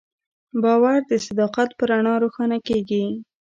باور د صداقت په رڼا روښانه کېږي.